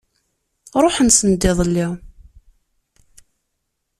Ṛuḥen send iḍelli.